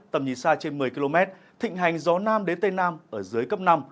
tầm nhìn xa trên một mươi km thịnh hành gió nam đến tây nam ở dưới cấp năm